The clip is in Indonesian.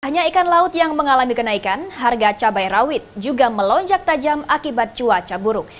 hanya ikan laut yang mengalami kenaikan harga cabai rawit juga melonjak tajam akibat cuaca buruk